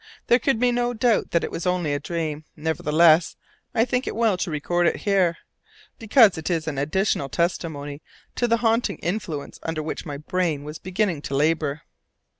there could be no doubt but that it was only a dream! Nevertheless, I think it well to record it here, because it is an additional testimony to the haunting influence under which my brain was beginning to labour.